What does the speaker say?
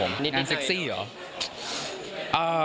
นั่งเซ็กซี่เหรอ